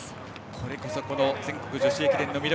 これこそ全国女子駅伝の魅力。